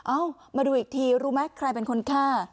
เอ้ามาดูอีกทีรู้ไหมใครเป็นคนฆ่า